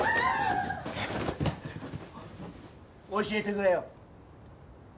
教えてくれよ。